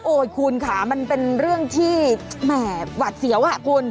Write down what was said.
คุณค่ะมันเป็นเรื่องที่แหม่หวัดเสียวอ่ะคุณ